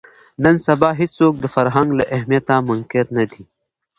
نن سبا هېڅوک د فرهنګ له اهمیته منکر نه دي